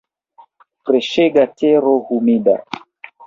Freŝega tero humida.